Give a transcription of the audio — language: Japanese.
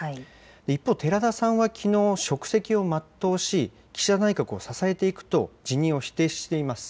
一方、寺田さんはきのう、職責を全うし、岸田内閣を支えていくと辞任を否定しています。